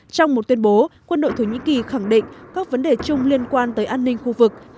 trong một tuyên bố quân đội thổ nhĩ kỳ khẳng định các vấn đề chung liên quan tới an ninh khu vực